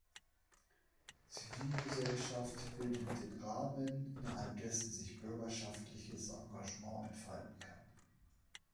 Zivilgesellschaft bildet den Rahmen, innerhalb dessen sich bürgerschaftliches Engagement entfalten kann.